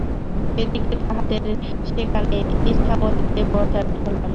এতদিনে তাহদের সেখানে ইছামতীতে বর্ষার ঢল নামিয়াছে।